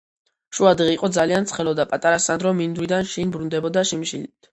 შუადღე იყო ძალიან ცხელოდა პატარა სანდრო მინდვრიდან შინ ბრუნდებოდა შიმშილი